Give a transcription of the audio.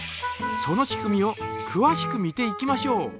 その仕組みをくわしく見ていきましょう。